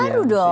oh baru dong